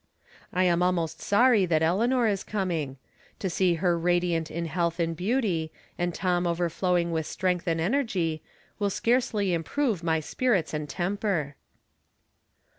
I am almost sorry that Eleanor is coming. To see her radiant in health and beauty, and Tom overflowing with strength and energy, will scarcely improve my spirits and temper.